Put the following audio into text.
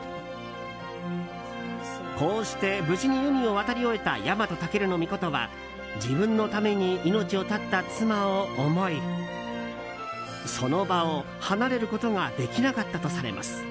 こうして、無事に海を渡り終えたヤマトタケルノミコトは自分のために命を絶った妻を思いその場を離れることができなかったとされます。